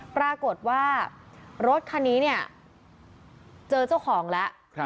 ปรากฏว่ารถคันนี้เนี่ยเจอเจ้าของแล้ว